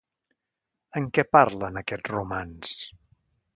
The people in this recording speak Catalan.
En què parlen, aquests romans?.